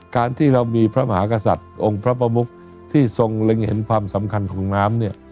การที่เรามีพระมหากษัตริย์องค์พระประมุกที่ทรงลึงเห็นความสำคัญของน้ำเนี่ย